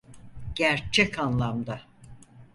Gerçek anlamda.